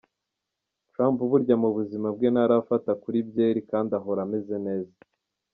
Trump burya mu buzima bwe ntarafata kuri byeri, kandi ahora ameze neza.